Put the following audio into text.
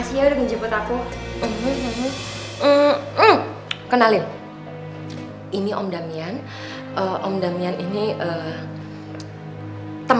zial dapat apa sih lines